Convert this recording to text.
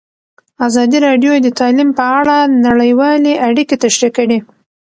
ازادي راډیو د تعلیم په اړه نړیوالې اړیکې تشریح کړي.